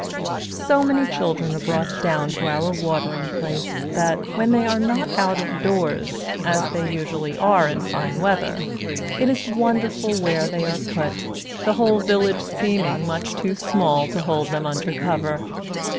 So many children are brought down to our Watering Place that, when they are not out of doors, as they usually are in fine weather, it is wonderful where they are put : the whole village seeming much too small to hold them under cover.